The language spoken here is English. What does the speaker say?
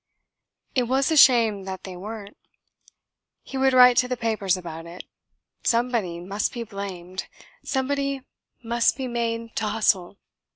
It was a shame that they weren't. He would write to the papers about it. Somebody must be blamed, somebody must be made to hustle.